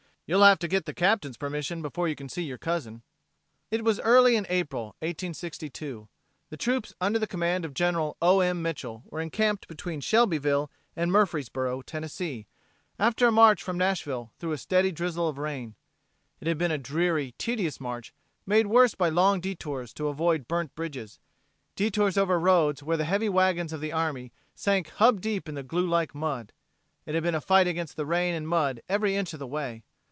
"You'll have to get the Captain's permission before you can see your cousin." It was early in April, 1862. The troops under the command of General O. M. Mitchel were encamped between Shelbyville and Murfreesboro, Tennessee, after a march from Nashville through a steady drizzle of rain. It had been a dreary, tedious march, made worse by long detours to avoid burnt bridges, detours over roads where the heavy wagons of the army sank hub deep in the glue like mud. It had been a fight against the rain and mud every inch of the way.